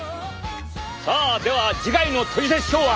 さあでは次回の「トリセツショー」は。